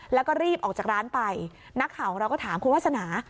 แล้วก็รีบออกจากร้านไปนักข่าวของเราก็ถามคุณวาสนา